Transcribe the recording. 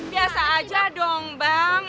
biasa aja dong bang